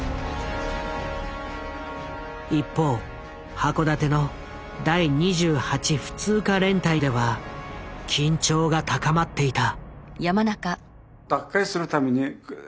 一方函館の第２８普通科連隊では緊張が高まっていた。